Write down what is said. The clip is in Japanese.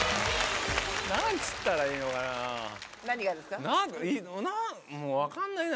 なんつったらいいのかな。